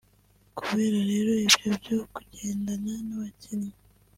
Kubera rero ibyo byo kugendana n’abakinnyi